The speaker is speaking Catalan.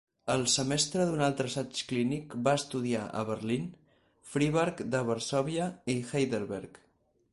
El semestre d'un altre assaig clínic va estudiar a Berlín, Friburg de Brisgòvia i Heidelberg.